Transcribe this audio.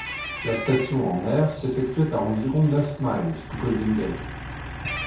La station en mer s'effectuait à environ neuf miles du Golden Gate.